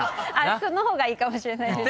その方がいいかもしれないです。